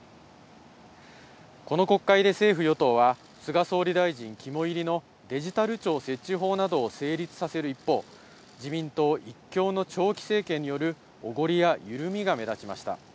この国会で政府・与党は、菅総理大臣肝煎りのデジタル庁設置法などを成立させる一方、自民党一強の長期政権によるおごりや緩みが目立ちました。